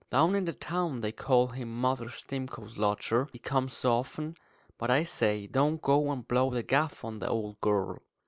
Down in the town they call him Mother Stimcoe's lodger, he comes so often. But, I say, don't go and blow the gaff on the old girl."